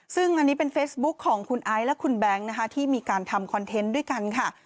ซึ่งอันนี้เป็นเฟซบุ๊คของคุณไอซ์และคุณแบงค์นะคะที่มีการทำคอนเทนต์ด้วยกันค่ะ